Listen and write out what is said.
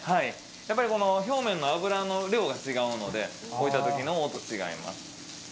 やっぱりこの表面の脂の量が違うので、置いたときの音が違います。